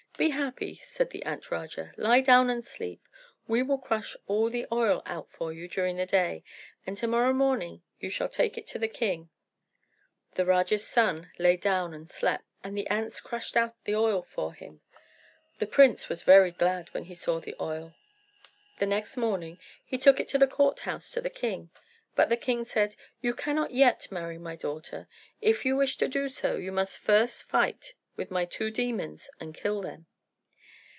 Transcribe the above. "Be happy," said the Ant Raja; "lie down and sleep; we will crush all the oil out for you during the day, and to morrow morning you shall take it to the king." The Raja's son lay down and slept, and the ants crushed out the oil for him. The prince was very glad when he saw the oil. The next morning he took it to the court house to the king. But the king said, "You cannot yet marry my daughter. If you wish to do so, you must first fight with my two demons and kill them."